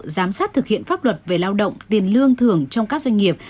giám sát thực hiện pháp luật về lao động tiền lương thường trong các doanh nghiệp